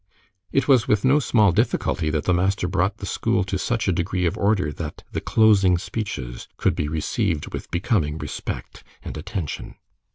It was with no small difficulty that the master brought the school to such a degree of order that the closing speeches could be received with becoming respect and attention.